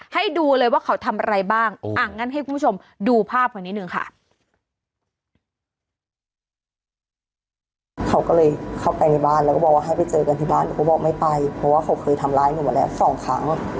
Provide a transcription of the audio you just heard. ให้ดูเลยว่าเขาทำอะไรบ้างอ่ะงั้นให้คุณผู้ชมดูภาพกันนิดนึงค่ะ